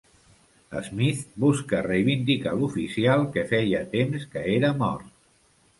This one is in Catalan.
Smith busca reivindicar l'oficial que feia temps que era mort.